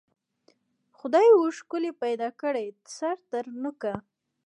خدای وو ښکلی پیدا کړی سر تر نوکه